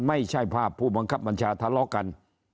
ไม่ใช่ภาพผู้บังคับบัญชาทะเลาะกัน